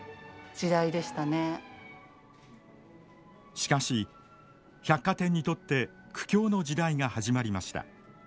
しかし百貨店にとって苦境の時代が始まりました。